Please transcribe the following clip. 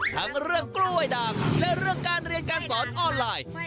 ทั้งเรื่องกล้วยด่างและเรื่องการเรียนการสอนออนไลน์